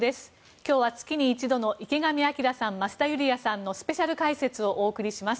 今日は月に一度の池上彰さん増田ユリヤさんのスペシャル解説をお送りします。